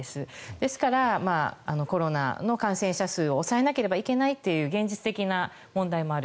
ですから、コロナの感染者数を抑えなければいけないという現実的な問題もある。